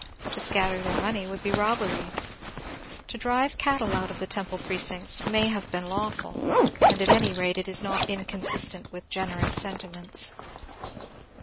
To scatter their money would be robbery. To drive cattle out of the temple precincts may have been lawful, and at any rate it is not inconsistent with generous sentiments.